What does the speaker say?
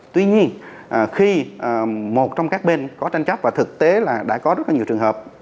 tuy nhiên khi một trong các bên có tranh chấp và thực tế là đã có rất là nhiều trường hợp